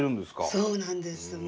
そうなんですもう。